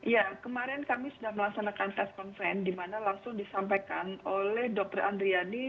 ya kemarin kami sudah melaksanakan tes conference di mana langsung disampaikan oleh dr andriani